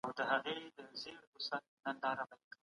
په سياست کي ډله ييزي ګټي مهمي دي.